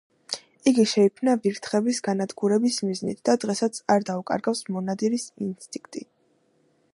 იგი შეიქმნა ვირთხების განადგურების მიზნით და დღესაც არ დაუკარგავს მონადირის ინსტინქტი.